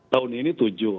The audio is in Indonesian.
tahun ini tujuh